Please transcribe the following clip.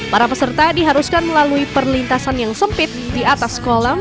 para peserta diharuskan melalui perlintasan yang sempit di atas kolam